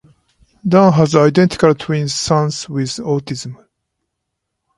Dan has identical twins sons with autism.